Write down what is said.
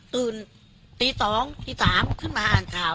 ตื่นตีสองตีสามขึ้นมาอ่านข่าว